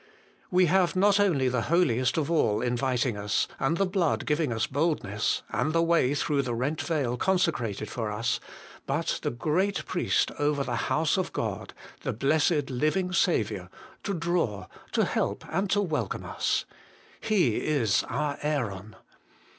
We have not only the Holiest of all inviting us, and the blood giving us boldness, and the way through the rent veil consecrated for us, but the Great Priest over the House of God, the Blessed Living Saviour, to draw, to help, and to welcome us. He is our Aaron.